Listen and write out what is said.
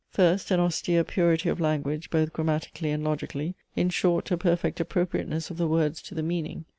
First, an austere purity of language both grammatically and logically; in short a perfect appropriateness of the words to the meaning.